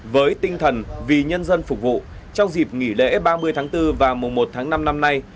với tinh thần vì nhân dân phục vụ trong dịp nghỉ lễ ba mươi tháng bốn và mùa một tháng năm năm nay